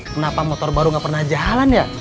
kenapa motor baru nggak pernah jalan ya